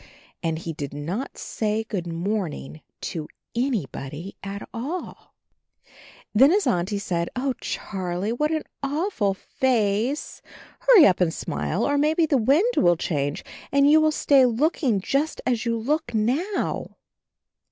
And he did not say, "Good morning" to any body at all. Then his Auntie said, "Oh, Charlie, what an awful face. Hurry up and smile, or maybe the wind will change and you will stay looking just as you look now!"